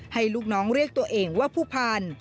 ลูกน้องเรียกตัวเองว่าผู้พันธุ์